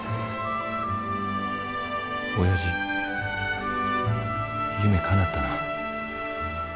おやじ夢かなったな。